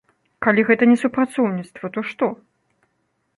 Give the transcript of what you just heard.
Калі гэта не супрацоўніцтва, то што?